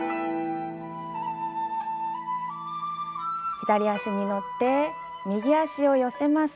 左足に乗って右足を寄せます。